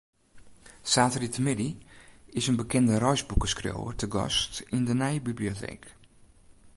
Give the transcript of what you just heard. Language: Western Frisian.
Saterdeitemiddei is in bekende reisboekeskriuwer te gast yn de nije biblioteek.